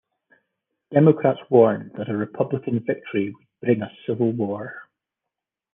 Democrats warned that a Republican victory would bring a civil war.